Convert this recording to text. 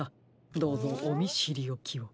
どうぞおみしりおきを。